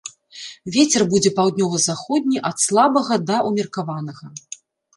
Вецер будзе паўднёва-заходні, ад слабага да ўмеркаванага.